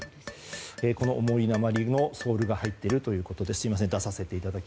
この重い鉛のソールが入っているということでした。